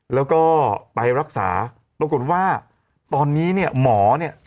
แล้วก็ไปรักษาปรากฏว่าตอนนี้เนี่ยหมอเนี่ย